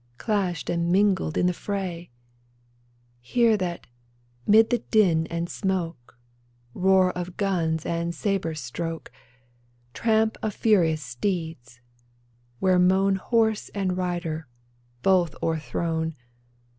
Clashed and mingled in the fray ? Here that, 'mid the din and smoke, Roar of guns and sabre stroke. Tramp of furious steeds, where moan Horse and rider, both o'erthrown.